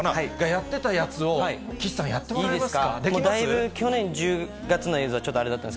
やってたやつを、岸さん、やってもらえますか？